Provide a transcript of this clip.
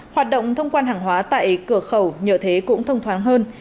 hoạt động thông quan hàng hóa tại cửa khẩu nhờ thế cũng thông thoáng hơn